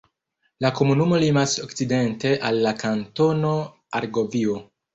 La komunumo limas okcidente al la Kantono Argovio.